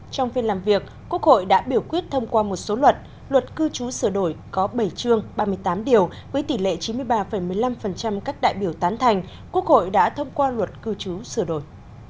trong phiên làm việc quốc hội đã biểu quyết thông qua một số luật luật cư trú sửa đổi có bảy chương ba mươi tám điều với tỷ lệ chín mươi ba một mươi năm các đại biểu tán thành quốc hội đã thông qua luật cư trú sửa đổi